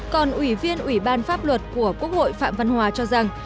còn ủy viên ủy ban pháp luật của quốc hội phạm văn hòa cho rằng